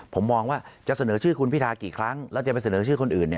ผมมองว่าจะเสนอชื่อคุณพิทากี่ครั้งแล้วจะไปเสนอชื่อคนอื่น